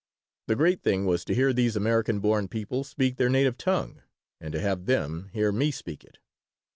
The great thing was to hear these American born people speak their native tongue and to have them hear me speak it.